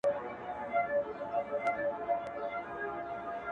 • په تياره كي د جگړې په خلاصېدو سو -